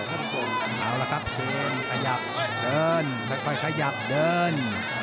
เอาละครับเดินขยับเดินไม่ค่อยขยับเดิน